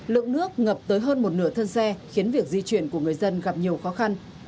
lượng nước ngập tới hơn một nửa thân xe khiến việc di chuyển của người dân gặp nhiều khó khăn